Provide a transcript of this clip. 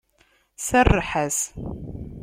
Serreḥ-as!